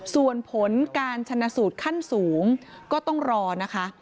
ส่วนผลการชนะสูตรขั้นสูงก็ต้องรอนะคะ